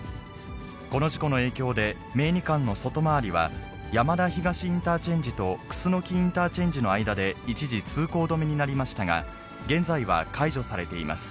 この事故の影響で、名二環の外回りは、山田東インターチェンジと楠インターチェンジの間で、一時、通行止めになりましたが、現在は解除されています。